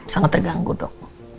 sangat terganggu dok